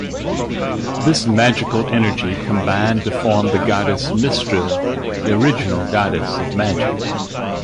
This magical energy combined to form the goddess Mystryl, the original goddess of magic.